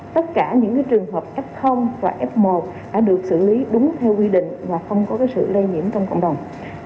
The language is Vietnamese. tất cả những trường hợp f và f một đã được xử lý đúng theo quy định và không có sự lây nhiễm trong cộng đồng